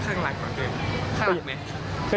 ข้างหลักไหม